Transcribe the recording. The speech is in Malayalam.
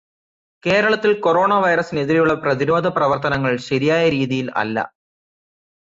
കേരളത്തിൽ കൊറോണ വൈറസിന് എതിരെയുള്ള പ്രതിരോധപ്രവർത്തനങ്ങൾ ശരിയായ രീതിയിൽ അല്ല.